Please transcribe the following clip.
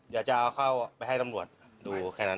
เดี๋ยวจะเอาเข้าไปให้ตำรวจดูแค่นั้น